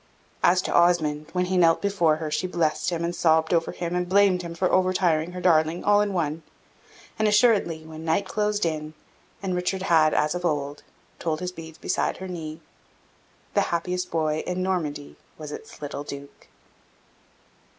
As to Osmond, when he knelt before her, she blessed him, and sobbed over him, and blamed him for over tiring her darling, all in one; and assuredly, when night closed in and Richard had, as of old, told his beads beside her knee, the happiest boy in Normandy was its little Duke.